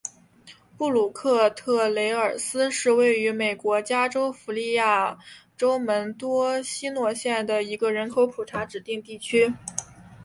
布鲁克特雷尔斯是位于美国加利福尼亚州门多西诺县的一个人口普查指定地区。